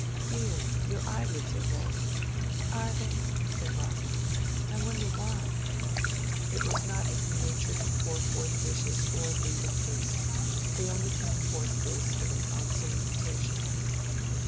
"Dear! your eyelids are red." "Are they?" said Rosamond. "I wonder why." It was not in her nature to pour forth wishes or grievances. They only came forth gracefully on solicitation.